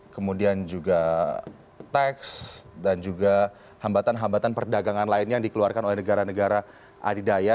kemudian juga teks dan juga hambatan hambatan perdagangan lainnya yang dikeluarkan oleh negara negara adidaya